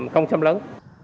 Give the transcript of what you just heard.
không xâm lấn